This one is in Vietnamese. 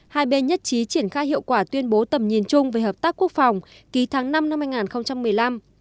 hai bên nhất trí triển khai hiệu quả tuyên bố tầm nhìn chung về hợp tác quốc phòng ký tháng năm năm hai nghìn một mươi năm